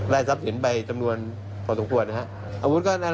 รายรับทรัพย์เป็นจำนวนพอสมควรนะครับ